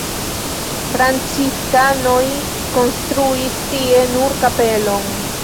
Franciskanoj konstruis tie nur kapelon.